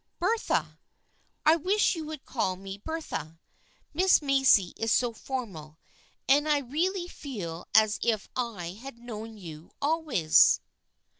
"" Bertha ; I wish you would call me Bertha. Miss Macy is so formal, and I really feel as if I had known you always."